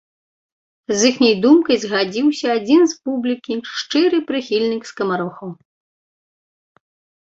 З іхняй думкай згадзіўся адзін з публікі, шчыры прыхільнік скамарохаў.